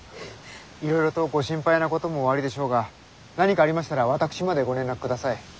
いろいろとご心配なこともおありでしょうが何かありましたら私までご連絡ください。